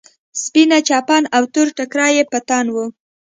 سپينه چپن او تور ټيکری يې په تن و.